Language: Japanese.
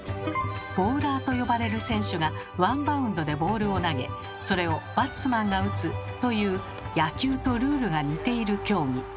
「ボーラー」と呼ばれる選手がワンバウンドでボールを投げそれを「バッツマン」が打つという野球とルールが似ている競技。